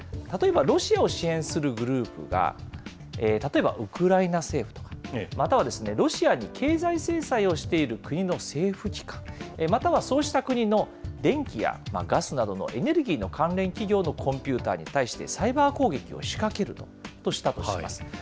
例えば、ロシアを支援するグループが、例えばウクライナ政府と、またはロシアに経済制裁をしている国の政府機関、またはそうした国の電気やガスなどのエネルギーの関連企業のコンピューターに対して、サイバー攻撃を仕掛けるとしたとします。